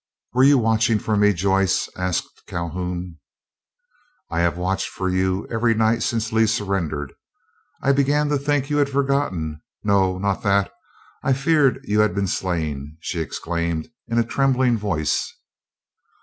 "Were you watching for me, Joyce?" asked Calhoun. "I have watched for you every night since Lee surrendered. I began to think you had forgotten—no, not that, I feared you had been slain," she exclaimed, in a trembling voice.